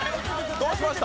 どうしました？